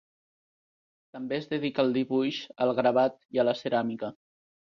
També es dedica al dibuix, al gravat i a la ceràmica.